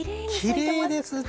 きれいですね。